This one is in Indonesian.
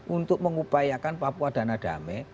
untuk mengupayakan papua dana damai